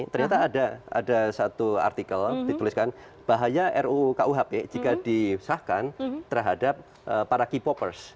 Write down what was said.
ternyata ada satu artikel dituliskan bahaya rukuhp jika disahkan terhadap para k popers